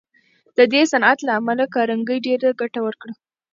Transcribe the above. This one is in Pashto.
د دې صنعت له امله کارنګي ډېره ګټه وکړه